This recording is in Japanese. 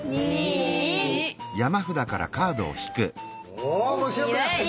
お面白くなってきた！